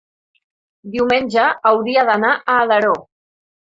Diumenge hauria d'anar a Alaró.